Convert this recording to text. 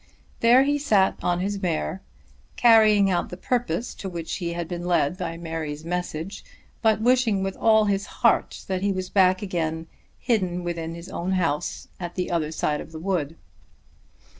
There he sat on his mare, carrying out the purpose to which he had been led by Mary's message, but wishing with all his heart that he was back again, hidden within his own house at the other side of the wood.